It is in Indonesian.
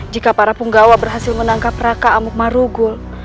jika para punggawa berhasil menangkap raka amuk marugul